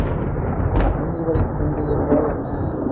நீர்வளிக்குண்டு என்றால் என்ன?